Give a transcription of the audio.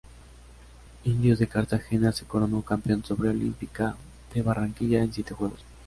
Indios de Cartagena se coronó campeón sobre Olímpica de Barranquilla en siete juegos.